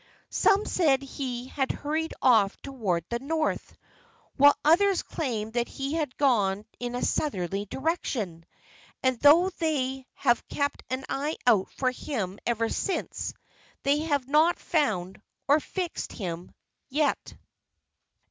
Some said he had hurried off towards the north; while others claimed that he had gone in a southerly direction. And though they have kept an eye out for him ever since, they have not found or "fixed him" yet.